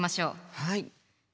はい。